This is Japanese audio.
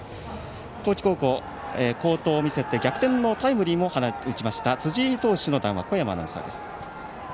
高知高校、好投を見せて逆転のタイムリーも放ちました辻井投手の談話です。